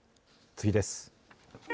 次です。